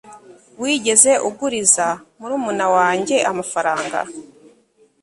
wigeze uguriza murumuna wanjye amafaranga